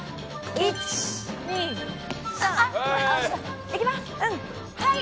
１２３。